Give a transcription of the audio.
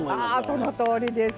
あそのとおりです。